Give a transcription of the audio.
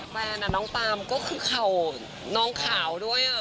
แฟนน้องปามก็คือเข่าน้องขาวด้วย